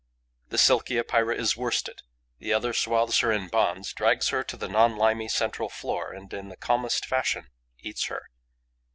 The Silky Epeira is worsted. The other swathes her in bonds, drags her to the non limy central floor and, in the calmest fashion, eats her.